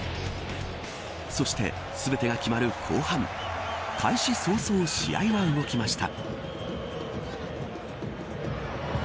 そして、すべてが決まる後半開始早々、試合は動きました。